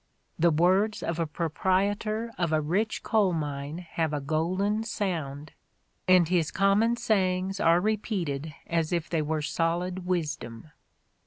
The words of a proprietor of a rich coal mine have a golden sound, and his common sayings are repeated as if they were solid wisdom."